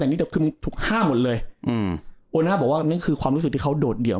แต่นิดเดียวคือมันถูกห้ามหมดเลยอืมโอน่าบอกว่านั่นคือความรู้สึกที่เขาโดดเดี่ยว